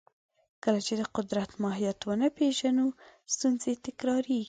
کله چې د قدرت ماهیت ونه پېژنو، ستونزې تکراریږي.